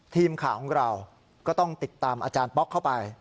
ทีมข่าวของเราก็ต้องติดตามอาจารย์ป๊อกเข้าไป